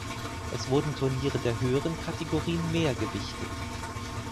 Es wurden Turniere der höheren Kategorien mehr gewichtet.